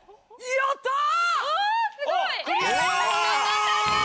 やったー！